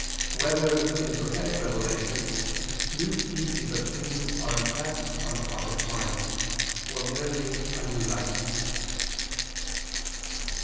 2] Whether, in Prophetic Revelation, New Species of Things Are Impressed on the Prophet's Mind, or Merely a New Light?